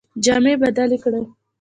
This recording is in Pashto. جامې بدلي کړې.